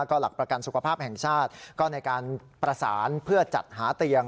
ก็หลักประกันสุขภาพแห่งชาติก็ในการประสานเพื่อจัดหาเตียง